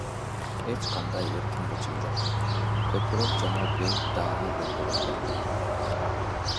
Эч кандай эркин бычым жок, көкүрөк жана бел даана белгиленген.